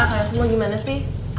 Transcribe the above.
kalian semua gimana sih